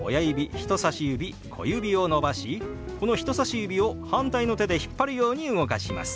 人さし指小指を伸ばしこの人さし指を反対の手で引っ張るように動かします。